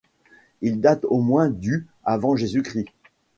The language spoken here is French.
Il date au moins du avant Jesus-Christ.